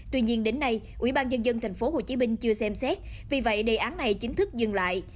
tuy nhiên đến nay ubnd tp hcm chưa xem xét vì vậy đề án này chính thức dừng lại